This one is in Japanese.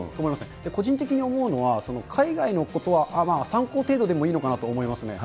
個人的に思うのは海外のことは、参考程度でもいいのかなと思いますね。